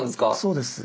そうです。